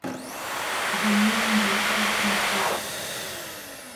They name their puppy jack.